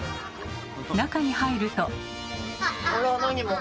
中に入ると。